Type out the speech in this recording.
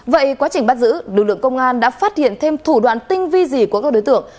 vậy quá trình bắt giữ lực lượng công an đã phát hiện thêm thủ đoạn tinh vi gì của các đối tượng